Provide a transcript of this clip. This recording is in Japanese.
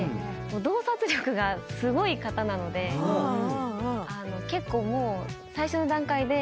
洞察力がすごい方なので結構もう最初の段階で。